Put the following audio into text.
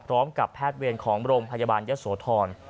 พร้อมกับแพทย์เวียนของโบรมพยาบาลเหยะสทสอน